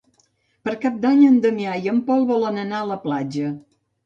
Per Cap d'Any en Damià i en Pol volen anar a la platja.